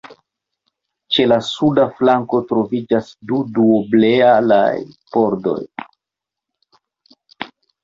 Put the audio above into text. Ĉe la suda flanko troviĝas du duoblealaj pordoj.